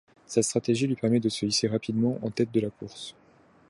Cette stratégie lui permet de se hisser rapidement en tête de la course.